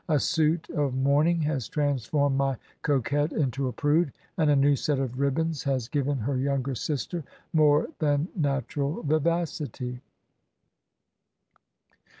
A suit of mourning has transformed my coquette into a prude, and a new set of ribbands has given her younger sister more than natural vivacity."